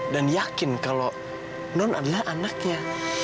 dan yakin kalau non adalah anaknya